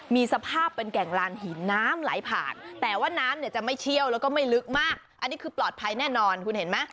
มีสภาพเป็นแก่งลานหินน้ำไหลผ่านแต่ว่าน้ำเนี่ยจะไม่เชี่ยวแล้วก็ไม่ลึกมากอันนี้คือปลอดภัยแน่นอนคุณเห็นไหม